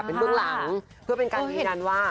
เป็นเบื้องหลังเพื่อเป็นการยืนยันว่า